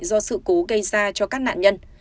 do sự cố gây ra cho các nạn nhân